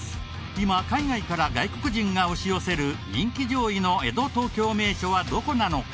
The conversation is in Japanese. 今海外から外国人が押し寄せる人気上位の江戸・東京名所はどこなのか？